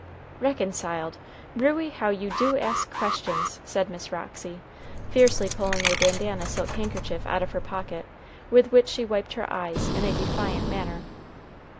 "Reconciled! Ruey, how you do ask questions!" said Miss Roxy, fiercely pulling a bandanna silk handkerchief out of her pocket, with which she wiped her eyes in a defiant manner.